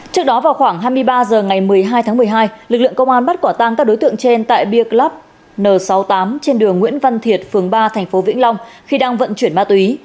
trước đó vào khoảng hai mươi ba h ngày một mươi hai tháng một mươi hai lực lượng công an bắt quả tang các đối tượng trên tại ber club n sáu mươi tám trên đường nguyễn văn thiệt phường ba tp vĩnh long khi đang vận chuyển ma túy